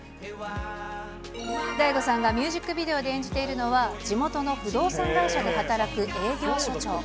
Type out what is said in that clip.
大悟さんがミュージックビデオで演じているのは、地元の不動産会社で働く営業所長。